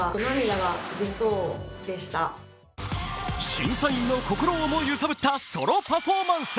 審査員の心をも揺さぶったソロパフォーマンス。